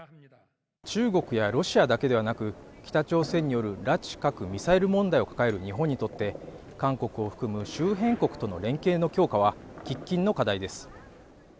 中国やロシアだけではなく、北朝鮮による拉致、核・ミサイル問題を抱える日本にとって韓国を含む周辺国との連携の強化は喫緊の課題です。